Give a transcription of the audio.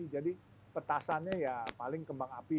jadi petasannya ya paling tembang api